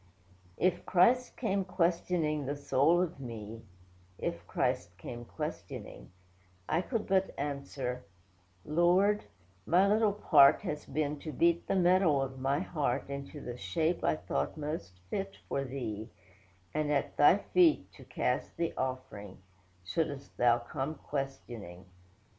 If Christ came questioning the soul of me, (If Christ came questioning,) I could but answer, 'Lord, my little part Has been to beat the metal of my heart, Into the shape I thought most fit for Thee; And at Thy feet, to cast the offering; Shouldst Thou come questioning.